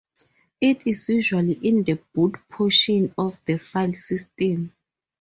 It is usually in the boot portion of the filesystem.